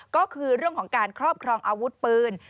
ก็คือเรื่องของการครอบครองอาวุธปืน